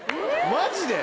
マジで？